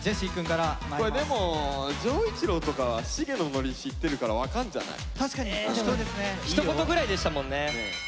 これでも丈一郎とかはシゲのノリ知ってるから分かんじゃない？ひと言ぐらいでしたもんね。